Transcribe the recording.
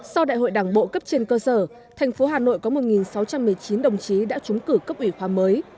sau đại hội đảng bộ cấp trên cơ sở thành phố hà nội có một sáu trăm một mươi chín đồng chí đã trúng cử cấp ủy khoa mới